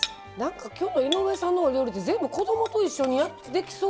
今日の井上さんのお料理って全部子供と一緒にできそう。